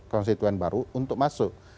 konstituen baru untuk masuk